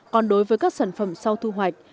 còn đối với các sản phẩm sau thu hoạch